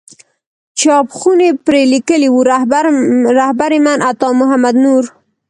چاپ خونې پرې لیکلي وو رهبر من عطا محمد نور.